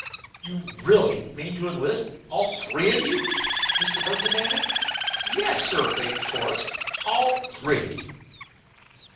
"You really mean to enlist all three of you?" Mr. Burton demanded. "Yes, sir," they chorused, "all three."